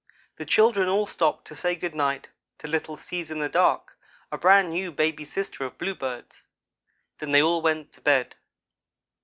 The children all stopped to say good night to little Sees in the dark, a brand new baby sister of Bluebird's; then they all went to bed.